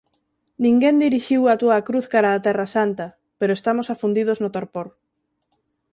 Ninguén dirixiu a túa cruz cara a Terra santa; pero estamos afundidos no torpor.